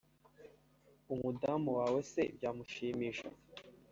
umudamu wawe se byamushimisha